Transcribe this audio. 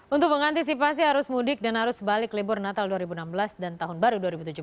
untuk mengantisipasi arus mudik dan arus balik libur natal dua ribu enam belas dan tahun baru dua ribu tujuh belas